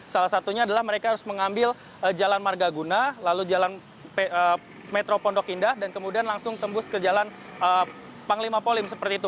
salah satunya adalah mereka harus mengambil jalan margaguna lalu jalan metro pondok indah dan kemudian langsung tembus ke jalan panglima polim seperti itu